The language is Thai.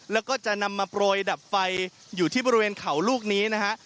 แล้วก็จะนำมาโปรยดับไฟอยู่ที่บริเวณเขาลูกนี้นะฮะ